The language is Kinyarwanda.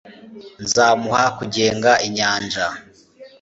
nzamuha kugenga inyanja